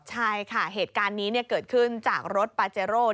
ใช่ค่ะเหตุการณ์นี้เกิดขึ้นจากรถปาเจโร่